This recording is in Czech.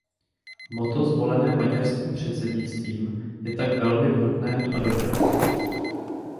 Motto zvolené maďarským předsednictvím je tak velmi vhodné a dobré.